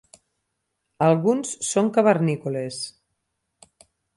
Alguns són cavernícoles.